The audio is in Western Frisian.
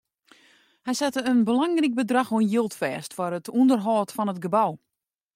Hy sette in belangryk bedrach oan jild fêst foar it ûnderhâld fan it gebou.